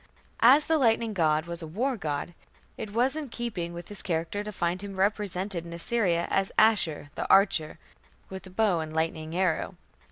As the lightning god was a war god, it was in keeping with his character to find him represented in Assyria as "Ashur the archer" with the bow and lightning arrow.